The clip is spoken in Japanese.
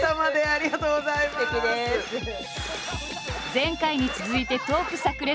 前回に続いてトークさく裂。